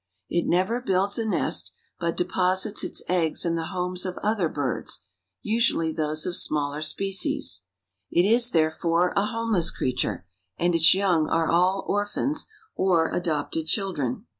It never builds a nest, but deposits its eggs in the homes of other birds, usually those of the smaller species. It is, therefore, a homeless creature, and its young are all orphans or adopted children.